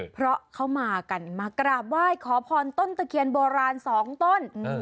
เพราะเขามากันมากราบไหว้ขอพรต้นตะเคียนโบราณสองต้น